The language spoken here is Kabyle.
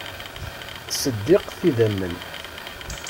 Ttṣeddiqet idammen.